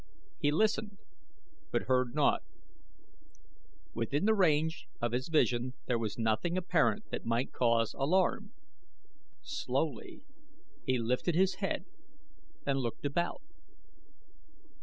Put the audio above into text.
He listened, but heard naught. Within the range of his vision there was nothing apparent that might cause alarm. Slowly he lifted his head and looked about.